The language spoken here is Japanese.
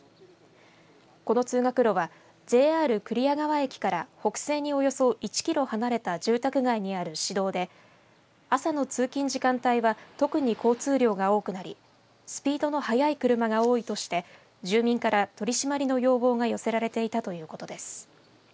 この通学路はＪＲ厨川駅から北西におよそ１キロ離れた住宅街にある市道で朝の通勤時間帯は特に交通量が多くなりスピードの速い車が多いとして住民から取締りの要望が寄せられていたということです。